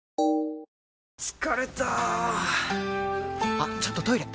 あっちょっとトイレ！